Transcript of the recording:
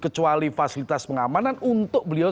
kecuali fasilitas pengamanan untuk beliau